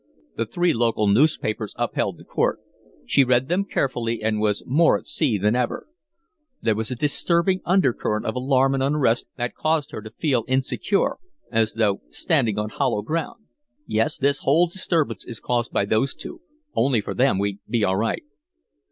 The three local newspapers upheld the court. She read them carefully, and was more at sea than ever. There was a disturbing undercurrent of alarm and unrest that caused her to feel insecure, as though standing on hollow ground. "Yes, this whole disturbance is caused by those two. Only for them we'd be all right."